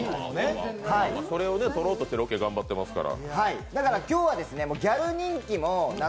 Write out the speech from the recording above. それをとろうとしてロケ頑張ってますから。